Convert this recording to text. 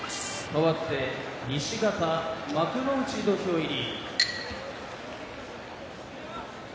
かわって西方幕内土俵入り。